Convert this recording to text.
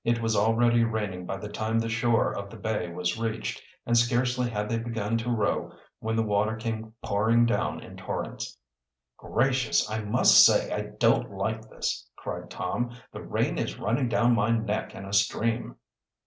It was already raining by the time the shore of the bay was reached, and scarcely had they begun to row when the water came pouring down in torrents. "Gracious! I must say I don't like this!" cried Tom. "The rain is running down my neck in a stream."